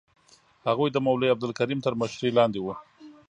هغوی د مولوي عبدالکریم تر مشرۍ لاندې وو.